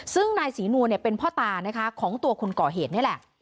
ซึ่งนายศรีนวลเป็นพ่อตานะคะของตัวคนก่อเหตุนี่แหละ